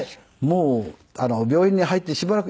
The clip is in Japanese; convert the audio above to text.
もう病院に入ってしばらく。